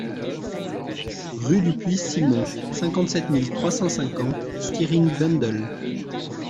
Rue du Puits Simon, cinquante-sept mille trois cent cinquante Stiring-Wendel